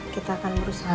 kita akan berusaha